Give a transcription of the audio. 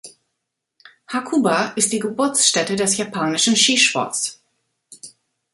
Hakuba ist die Geburtsstätte des Japanischen Skisports.